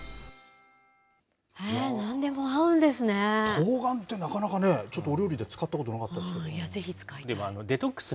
とうがんって、なかなかね、ちょっとお料理で使ったことなかったですけど。